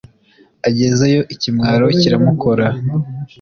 agezeyo ikimwaro kiramukora